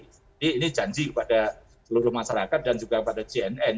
jadi ini janji kepada seluruh masyarakat dan juga pada cnn